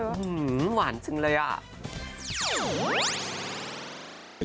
หื้อหื้อหวานจริงเลยอ่ะ